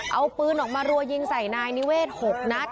เอาปืนออกมารัวยิงใส่นายนิเวศ๖นัด